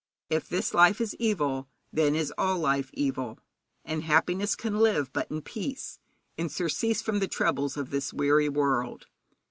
If this life is evil, then is all life evil, and happiness can live but in peace, in surcease from the troubles of this weary world.